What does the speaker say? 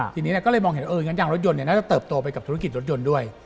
ทีนี้ก็เลยมองเห็นเอองั้นยางรถยนต์น่าจะเติบโตไปกับธุรกิจรถยนต์ด้วย